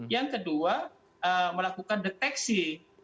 yang kedua melakukan deteksi